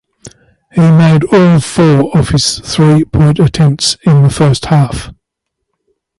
He made all four of his three point attempts in the first half.